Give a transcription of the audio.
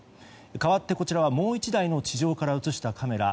かわって、こちらはもう１台の地上から映したカメラ。